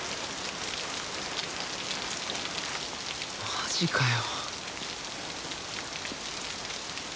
マジかよ。